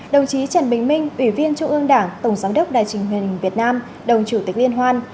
đồng chí trần bình minh ủy viên trung ương đảng tổng giám đốc đài trình huyền việt nam đồng chủ tịch liên hoan